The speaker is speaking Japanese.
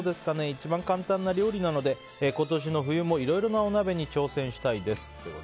一番簡単な料理なので今年の冬もいろいろなお鍋に挑戦したいです。